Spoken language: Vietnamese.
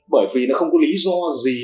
bởi vì nó không có lý do gì